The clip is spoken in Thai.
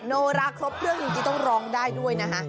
โนราครบด้วยจริงต้องร้องได้ด้วยนะคะ